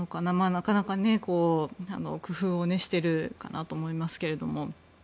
なかなか工夫をしてるかなと思いますが。